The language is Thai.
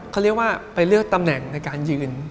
เขาเรียกว่าไปเลือกตำแหน่งในการยืน